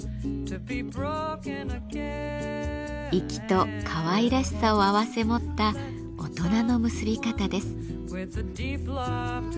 粋とかわいらしさを併せ持った大人の結び方です。